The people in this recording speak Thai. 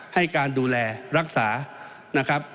ให้การดูแลรักษานะครับ